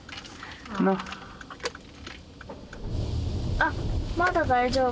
あっまだ大丈夫。